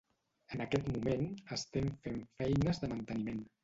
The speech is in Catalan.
En aquest moment estem fent feines de manteniment.